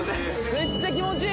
めっちゃ気持ちいい。